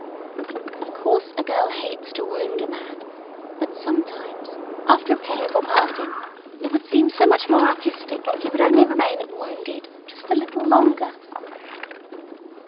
Of course, a girl hates to wound a man; but sometimes, after a painful parting, it would seem so much more artistic if he would only remain "wounded" just a little longer.